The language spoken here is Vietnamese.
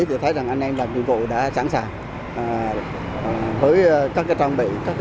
để thấy an ninh và nhiệm vụ đã sẵn sàng